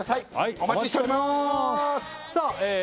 お待ちしておりまーす！